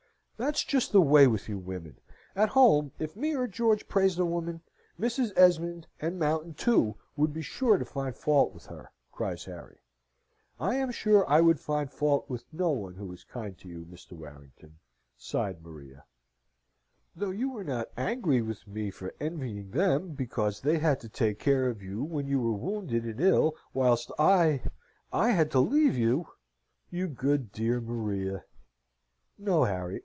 "That's just the way with you women! At home, if me or George praised a woman, Mrs. Esmond. and Mountain, too, would be sure to find fault with her!" cries Harry. "I am sure I would find fault with no one who is kind to you, Mr. Warrington," sighed Maria, "though you are not angry with me for envying them because they had to take care of you when you were wounded and ill whilst I I had to leave you?" "You dear good Maria!" "No, Harry!